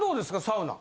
サウナ。